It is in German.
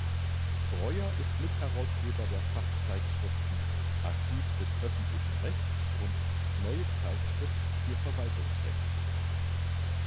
Breuer ist Mitherausgeber der Fachzeitschriften Archiv des öffentlichen Rechts und Neue Zeitschrift für Verwaltungsrecht.